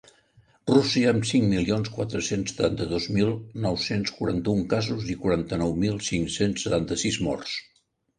Rússia, amb cinc milions quatre-cents setanta-dos mil nou-cents quaranta-un casos i quaranta-nou mil cinc-cents setanta-sis morts.